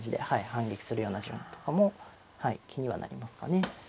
反撃するような順とかも気にはなりますかね。